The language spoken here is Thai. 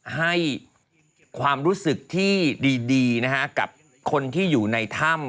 ให้ความรู้สึกที่ดีนะฮะกับคนที่อยู่ในถ้ำ